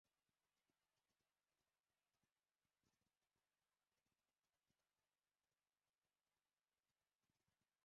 ஆயினும் டிரீஸியின் கவலையற்ற இன்பகரமான தமாஷை யாவரும் அதுபவித்ததிலும் குறைவில்லை!